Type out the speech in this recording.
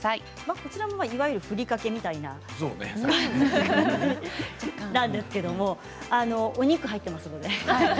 こちらも、いわゆるふりかけみたいな感じなんですけれどお肉が入っていますので。